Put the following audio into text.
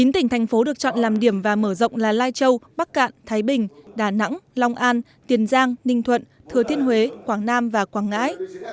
chín tỉnh thành phố được chọn làm điểm và mở rộng là lai châu bắc cạn thái bình đà nẵng long an tiền giang ninh thuận thừa thiên huế quảng nam và quảng ngãi